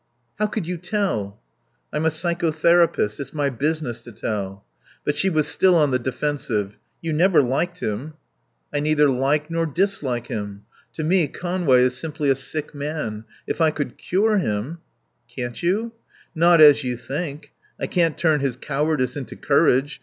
"How could you tell?" "I'm a psychotherapist. It's my business to tell." But she was still on the defensive. "You never liked him." "I neither like nor dislike him. To me Conway is simply a sick man. If I could cure him " "Can't you?" "Not as you think. I can't turn his cowardice into courage.